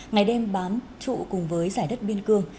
ngày đêm bám trụ cùng với giải đất biên cương